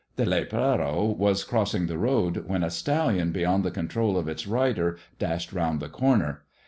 The lepero was crossing the road, f when a stallion beyond the control of its rider dashed round ' the corner.